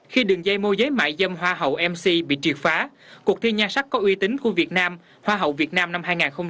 khi đường dây mô giấy mại dâm hoa hậu mc bị triệt phá cuộc thi nhan sắc có uy tín của việt nam hoa hậu việt nam năm hai nghìn một mươi chín